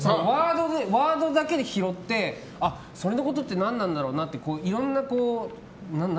ワードだけで拾ってそれのことって何なんだろうなっていろんな。